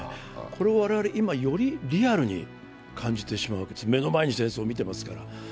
これを我々、今、よりリアルに感じてしまうわけです、目の前に戦争を見てますから。